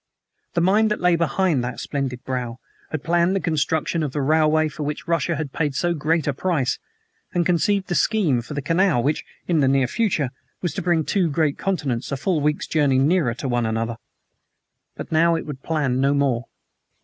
The mind that lay behind that splendid brow had planned the construction of the railway for which Russia had paid so great a price, had conceived the scheme for the canal which, in the near future, was to bring two great continents, a full week's journey nearer one to the other. But now it would plan no more.